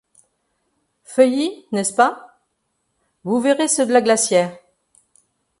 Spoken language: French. Feuilly, n’est-ce pas? vous verrez ceux de la Glacière.